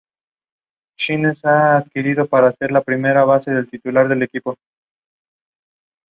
Again based on true life characters.